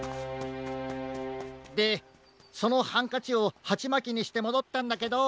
でそのハンカチをハチマキにしてもどったんだけど。